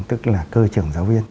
tức là cơ trường giáo viên